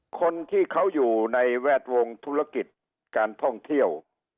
คนที่เขาอยู่ในแวดวงธุรกิจการท่องเที่ยว